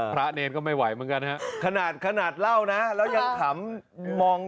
เนรก็ไม่ไหวเหมือนกันฮะขนาดเล่านะแล้วยังขำมอง